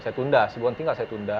saya tunda sebelum tinggal saya tunda